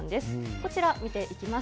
こちら、見ていきます。